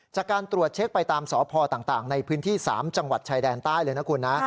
จากการตรวจเช็คไปตามสพต่างในพื้นที่๓จังหวัดชายแดนใต้เลยนะคุณนะ